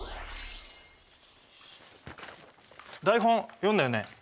台本読んだよね？